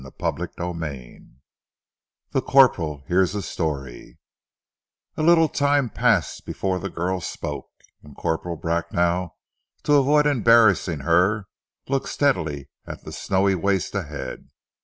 CHAPTER VI THE CORPORAL HEARS A STORY A LITTLE time passed before the girl spoke, and Corporal Bracknell, to avoid embarrassing her, looked steadily at the snowy waste ahead.